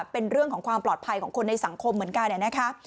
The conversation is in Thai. เป็นเรื่องของความปลอดภัยของคนในสังคมเหมือนกันนะคะ